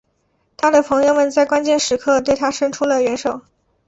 他的朋友们在关键时刻对他生出了援手。